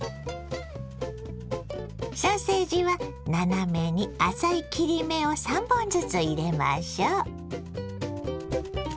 ソーセージは斜めに浅い切り目を３本ずつ入れましょ。